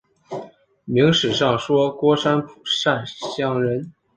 明史上说郭山甫善相人。